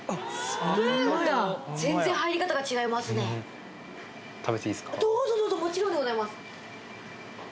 あっどうぞどうぞもちろんでございます